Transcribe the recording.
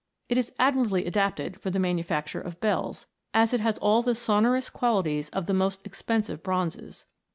It is admirably adapted for the manufacture of bells, as it has all the sonorous qualities of the most expensive bronzes.